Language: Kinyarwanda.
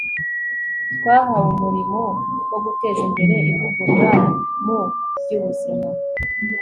twahawe umurimo wo guteza imbere ivugurura mu by'ubuzima